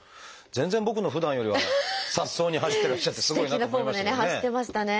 全然僕のふだんよりはさっそうに走ってらっしゃってすごいなと思いましたけどね。